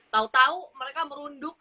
tau tau mereka merunduk